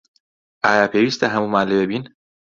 ئایا پێویستە هەموومان لەوێ بین؟